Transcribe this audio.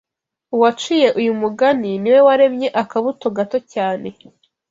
Uwaciye uyu mugani, ni We waremye akabuto gato cyane